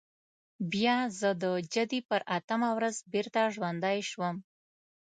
بیا زه د جدي پر اتمه ورځ بېرته ژوندی شوم.